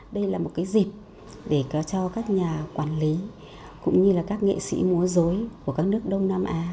đây là một dịp để cho các nhà quản lý cũng như các nghệ sĩ mùa dối của các nước đông nam á